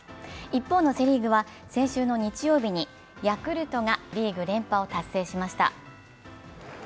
一方のセ・リーグは先週の日曜日にヤクルトがリーグ連覇を達成しました。